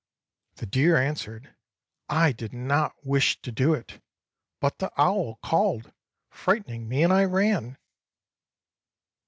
The deer answered: " I did not wish to do it, but the owl called, frightening me. and I ran."